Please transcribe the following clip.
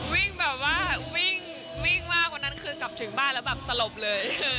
วิ่งแบบว่าวิ่งวิ่งมากวันนั้นคือกลับถึงบ้านแล้วแบบสลบเลย